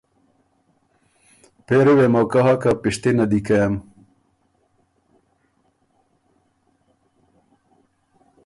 پېری وې موقع هۀ که پِشتِنه دی کېم